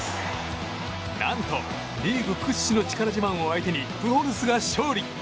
何と、リーグ屈指の力自慢を相手にプホルスが勝利。